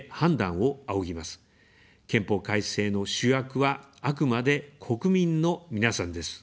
憲法改正の主役は、あくまで国民の皆さんです。